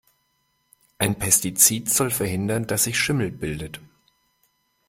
Ein Pestizid soll verhindern, dass sich Schimmel bildet.